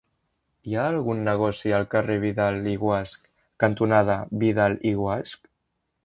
Hi ha algun negoci al carrer Vidal i Guasch cantonada Vidal i Guasch?